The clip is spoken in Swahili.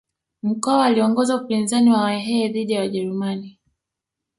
Mkwawa aliongoza upinzani wa wahehe dhidi ya wajerumani